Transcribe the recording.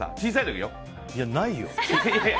いや、ないよ。